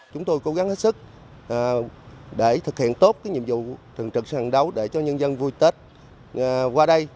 chúng tôi cố gắng hết sức để thực hiện tốt nhiệm vụ thường trực sân đấu để cho nhân dân vui tết qua đây